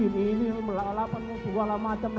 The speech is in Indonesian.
ini ini delapan menit segala macam